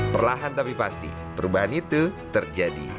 perlahan tapi pasti perubahan itu terjadi